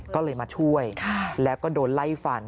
ก็เลยมาช่วยแล้วก็โดนไล่ฟัน